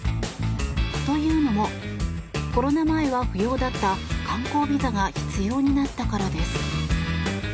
というのもコロナ前は不要だった観光ビザが必要になったからです。